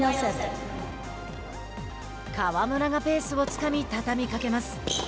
川村がペースをつかみ畳みかけます。